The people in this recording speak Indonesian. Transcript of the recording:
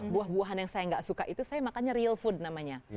buah buahan yang saya nggak suka itu saya makannya real food namanya